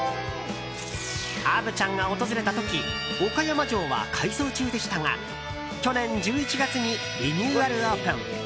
虻ちゃんが訪れた時岡山城は改装中でしたが去年１１月にリニューアルオープン。